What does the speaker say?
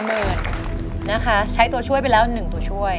ทั้งในเรื่องของการทำงานเคยทำนานแล้วเกิดปัญหาน้อย